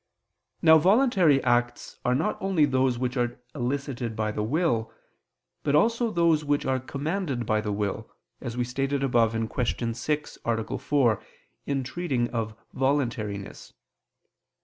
Now voluntary acts are not only those which are elicited by the will, but also those which are commanded by the will, as we stated above (Q. 6, A. 4) in treating of voluntariness.